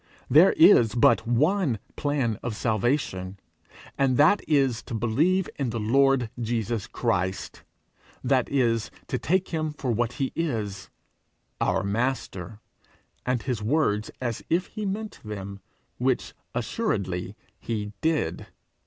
There is but one plan of salvation, and that is to believe in the Lord Jesus Christ; that is, to take him for what he is our master, and his words as if he meant them, which assuredly he did.